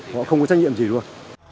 họ không có trách nhiệm gì luôn